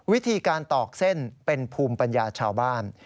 วิธีการตอกเส้นเป็นภูมิปัญญาชาวบ้าน